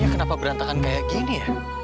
kenapa berantakan kayak gini